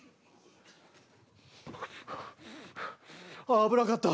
危なかった。